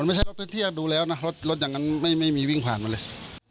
ไม่ใช่รถที่จะดูแล้วนะรถอย่างนั้นไม่มีวิ่งผ่านมาเลย